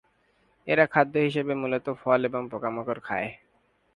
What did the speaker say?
এরা খাদ্য হিসাবে মূলত ফল এবং পোকামাকড় খায়।